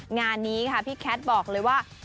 งานนี้ค่ะพี่แคทบอกเลยว่า